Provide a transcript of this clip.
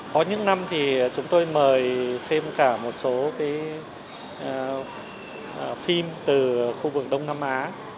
có những năm thì chúng tôi mời thêm cả một số phim từ khu vực đông nam á